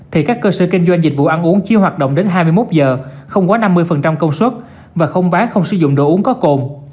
thì các cơ sở kinh doanh dịch vụ ăn uống chiếu hoạt động đến hai mươi một giờ không quá năm mươi công suất và không bán không sử dụng đồ uống có cồn